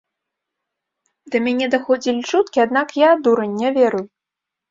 Да мяне даходзілі чуткі, аднак я, дурань, не верыў.